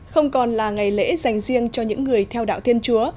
không còn là ngày lễ dành riêng cho những người theo đạo thiên chúa